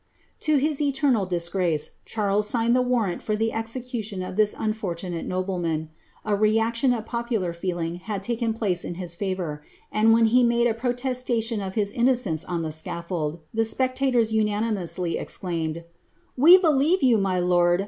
To his eternal disfrrace, Charles signed the warrant for the execntiM of this unfortunate nobleman. A reaction of popular feeling had taken place in his favour, and when ho made a protestation of his innoceaoe on the scallold, the spectators unanimously exclaimed, ^We believe yoiu my lord